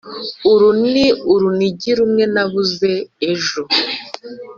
uru ni urunigi rumwe nabuze ejo.